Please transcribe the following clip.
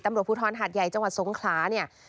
ตำรวจภูทรหาดใหญ่จังหวัดสงขลาเนี่ย